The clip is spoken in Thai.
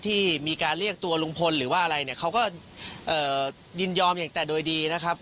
ที่มีการเรียกตัวลุงพลหรือว่าอะไรเนี่ยเขาก็ยินยอมอย่างแต่โดยดีนะครับ